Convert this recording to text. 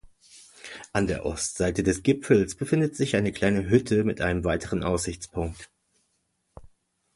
An der Ostseite des Gipfels befindet sich eine kleine Hütte mit einem weiteren Aussichtspunkt.